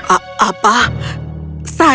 apa yang akan dia lakukan